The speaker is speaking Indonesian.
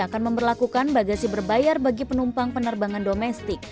akan memperlakukan bagasi berbayar bagi penumpang penerbangan domestik